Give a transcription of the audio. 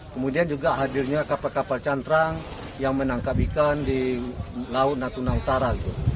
kemudian juga hadirnya kapal kapal cantrang yang menangkap ikan di laut natuna utara